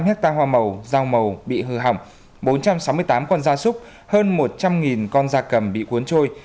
một trăm linh sáu năm ha hoa màu rau màu bị hư hỏng bốn trăm sáu mươi tám con da súc hơn một trăm linh con da cầm bị cuốn trôi